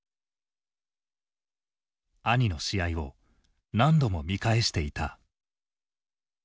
兄の試合を何度も見返していた。